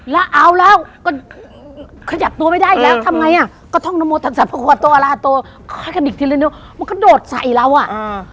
ถ้ายหยับตัวไม่ได้แล้วทำไมอะก็ท่องนมงษ์ทักษะพระควรตัวล่ะตัวค่อยกันอีกทีเลยมันก็โดดใส่เราอะ